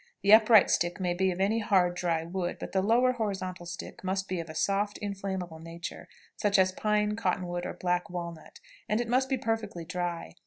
The upright stick may be of any hard, dry wood, but the lower horizontal stick must be of a soft, inflammable nature, such as pine, cottonwood, or black walnut, and it must be perfectly dry.